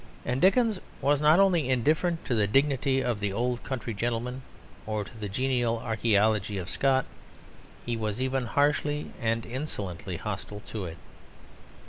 And Dickens was not only indifferent to the dignity of the old country gentleman or to the genial archæology of Scott; he was even harshly and insolently hostile to it.